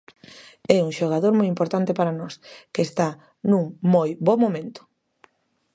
É un xogador moi importante para nós, que está nun moi bo momento.